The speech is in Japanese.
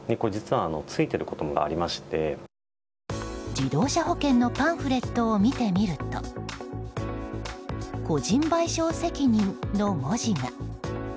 自動車保険のパンフレットを見てみると個人賠償責任の文字が。